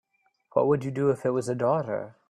What would you do if it was a daughter?